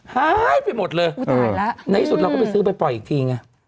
หายไปหมดเลยอุ้ยตายแล้วในที่สุดเราก็ไปซื้อไปปล่อยอีกทีไง